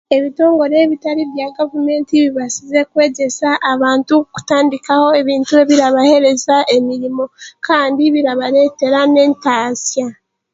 Ebitongore ebitari bya gavumenti bibaasize kwegyesa abantu kutandikaho ebintu ebirabahereza emirimo kandi birabareetera n'entaasya.